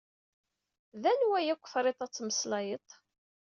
D anwa yakk triṭ ad tmeslayeṭ?